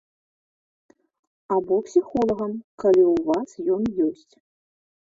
Або псіхолагам, калі ў вас ён ёсць.